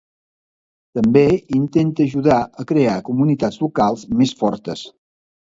També intenta ajudar a crear comunitats locals més fortes.